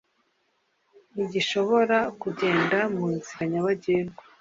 ntigishobora kugenda mu nzira nyabagendwa